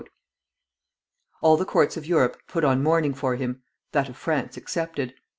All the courts of Europe put on mourning for him, that of France excepted.